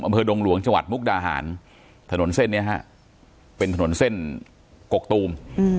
ดงหลวงจังหวัดมุกดาหารถนนเส้นนี้ฮะเป็นถนนเส้นกกตูม